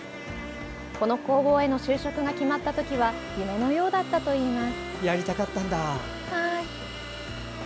この工房への就職が決まったときは夢のようだったといいます。